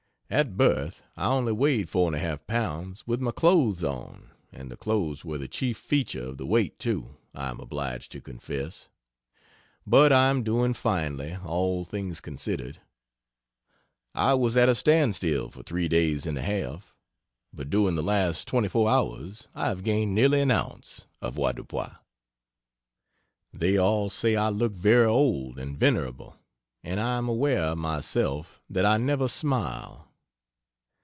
At birth I only weighed 4 1/2 pounds with my clothes on and the clothes were the chief feature of the weight, too, I am obliged to confess. But I am doing finely, all things considered. I was at a standstill for 3 days and a half, but during the last 24 hours I have gained nearly an ounce, avoirdupois. They all say I look very old and venerable and I am aware, myself, that I never smile.